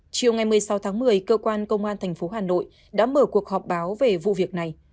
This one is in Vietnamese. chiều ngày một mươi sáu tháng một mươi cơ quan công an tp hà nội đã mở cuộc họp báo về vụ việc này